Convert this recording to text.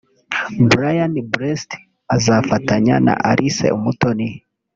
Brian Blessed azafatanya na Alice Umutoni